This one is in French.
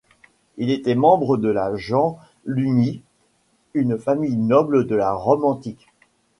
Il était membre de la gens Iunii, une famille noble de la Rome antique.